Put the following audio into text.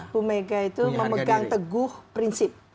bu mega itu memegang teguh prinsip